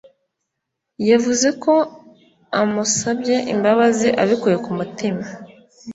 yavuze ko amusabye imbabazi abikuye ku mutima